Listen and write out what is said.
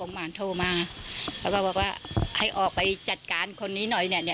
โหก็ห่างกัน๑๕ปี